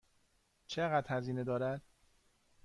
چقدر هزینه دارد؟